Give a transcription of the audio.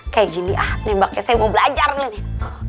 kayak gini ah nembaknya saya mau belajar nih